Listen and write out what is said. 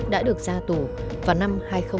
đã được ra tù vào năm hai nghìn hai mươi hai